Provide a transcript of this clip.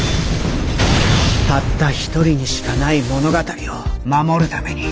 たった一人にしかない物語を守るために。